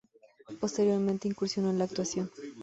Posteriormente incursionó en la actuación.